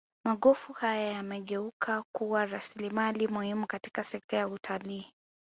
magofu haya yamegeuka kuwa rasilimali muhimu katika sekta ya utalii